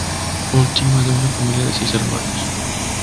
Última de una familia de seis hermanos.